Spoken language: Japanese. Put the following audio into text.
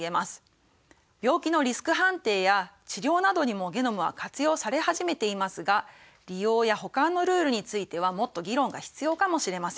病気のリスク判定や治療などにもゲノムは活用され始めていますが利用や保管のルールについてはもっと議論が必要かもしれません。